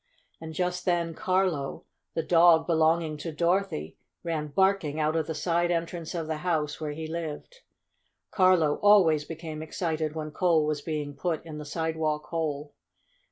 And just then Carlo, the dog belonging to Dorothy, ran barking out of the side entrance of the house where he lived. Carlo always became excited when coal was being put in the sidewalk hole.